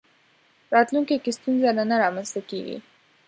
راتلونکي کې ستونزه نه رامنځته کېږي.